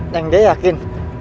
neng dia yakin